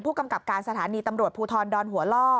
กำกับการสถานีตำรวจภูทรดอนหัวล่อ